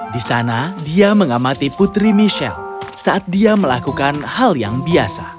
di sana dia mengamati putri michelle saat dia melakukan hal yang biasa